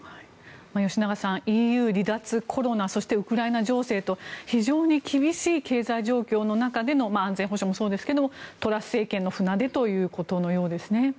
吉永さんＥＵ離脱、コロナそしてウクライナ情勢と非常に厳しい経済状況の中での安全保障もそうですがトラス政権の船出ということのようですね。